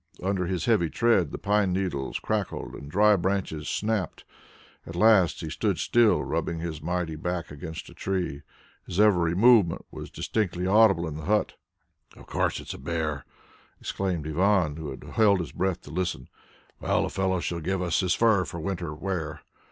Under his heavy tread the pine needles crackled, and dry branches snapped. At last he stood still, rubbing his mighty back against a tree. His every movement was distinctly audible in the hut. "Of course it's a bear!" exclaimed Ivan, who had held his breath to listen. "Well, the fellow shall give us his fur for winter wear.